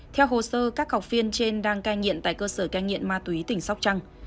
theo hồ sơ các học viên trên đang cai nghiện tại cơ sở cai nghiện ma túy tỉnh sóc trăng